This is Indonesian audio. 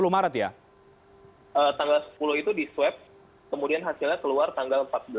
tanggal sepuluh itu di swab kemudian hasilnya keluar tanggal empat belas